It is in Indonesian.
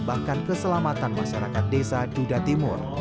bahkan keselamatan masyarakat desa duda timur